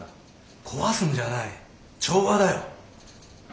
壊すんじゃない調和だよ。